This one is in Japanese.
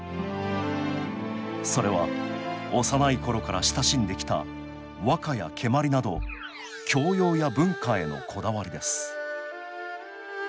それは幼い頃から親しんできた和歌や蹴鞠など教養や文化へのこだわりです